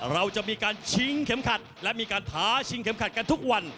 เราจะมีการชิงเข็มขัดและมีการท้าชิงเข็มขัดกันทุกวัน